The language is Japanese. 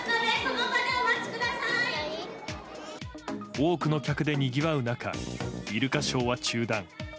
多くの客でにぎわう中イルカショーは中断。